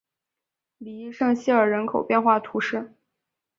里伊圣西尔人口变化图示